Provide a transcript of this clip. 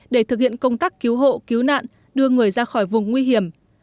để thực hiện công tác cứu hộ cứu nạn đưa người ra khỏi vùng nguy hiểm